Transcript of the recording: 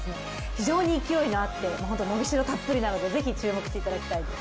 非常に勢いのあって伸びしろたっぷりなので是非注目していただきたいです。